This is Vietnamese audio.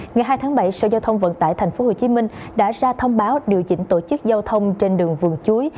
ngày hai tháng bảy sở giao thông vận tải tp hcm đã ra thông báo điều chỉnh tổ chức giao thông trên đường vườn chuối